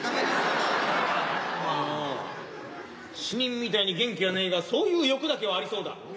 死人みたいに元気はねぇがそういう欲だけはありそうだ。